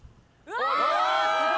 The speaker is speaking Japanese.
うわ！